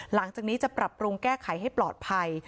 หลังจากนี้จะปรับปรุงแก้ไขให้ปลอดภัย